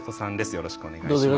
よろしくお願いします。